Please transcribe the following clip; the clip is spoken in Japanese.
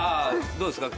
どうですか？